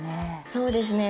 そうですね。